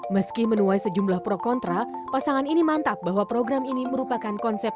meski menuai sejumlah pro kontra pasangan ini mantap bahwa program ini merupakan konsep